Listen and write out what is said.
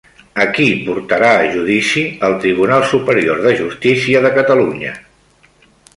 A qui portarà a judici el Tribunal Superior de Justícia de Catalunya?